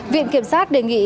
viện kiểm sát đề nghị